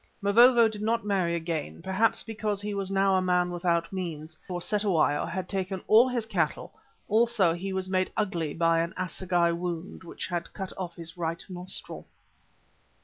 Mavovo did not marry again, perhaps because he was now a man without means, for Cetewayo had taken all his cattle; also he was made ugly by an assegai wound which had cut off his right nostril.